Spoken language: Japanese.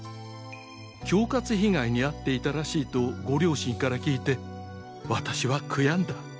恐喝被害にあっていたらしいとご両親から聞いて私は悔やんだ。